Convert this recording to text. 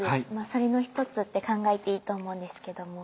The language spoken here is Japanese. それの一つって考えていいと思うんですけども。